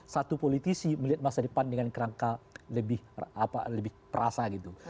satu politisi melihat masa depan dengan kerangka lebih perasa gitu